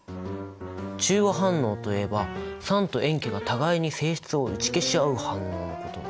中和反応といえば酸と塩基が互いに性質を打ち消し合う反応のことだったよな。